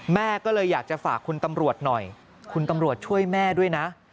แม่ก็เลยอยากจะฝากคุณตำรวจหน่อยคุณตำรวจช่วยแม่ด้วยนะ